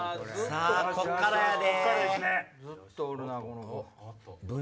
さぁこっからやで。